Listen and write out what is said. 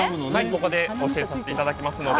ここで教えさせていただきますので。